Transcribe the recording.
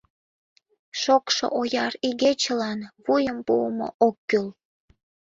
ШОКШО ОЯР ИГЕЧЫЛАН ВУЙЫМ ПУЫМО ОК КӰЛ